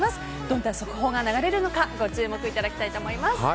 どんな速報が流れるのかご注目いただきたいと思います。